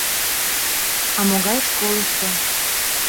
— А могай школышто?